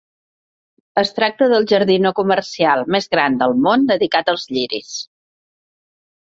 Es tracta del jardí no comercial més gran del món dedicat als lliris.